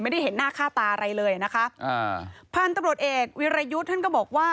ไม่ได้เห็นหน้าค่าตาอะไรเลยนะคะอ่าพันธุ์ตำรวจเอกวิรยุทธ์ท่านก็บอกว่า